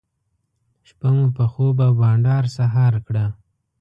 شپه مو په خوب او بانډار سهار کړه.